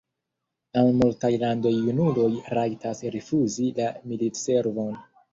En multaj landoj junuloj rajtas rifuzi la militservon.